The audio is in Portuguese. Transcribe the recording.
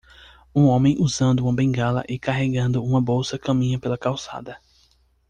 Um homem usando uma bengala e carregando uma bolsa caminha pela calçada.